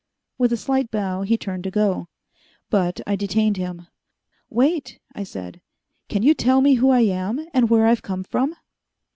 With a slight bow, he turned to go. But I detained him. "Wait," I said. "Can you tell me who I am, and where I've come from?"